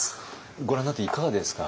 ご覧になっていかがですか？